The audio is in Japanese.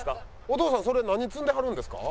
お父さんそれ何摘んではるんですか？